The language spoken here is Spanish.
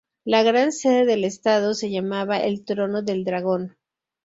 La Gran Sede del Estado se llamaba el "Trono del Dragón.